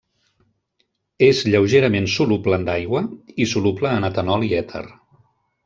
És lleugerament soluble en aigua i soluble en etanol i èter.